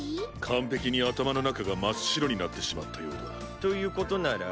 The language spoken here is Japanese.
完璧に頭の中が真っ白になってしまったようだ。ということなら。